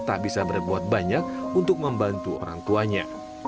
tak bisa berbuat banyak untuk membantu orang tuanya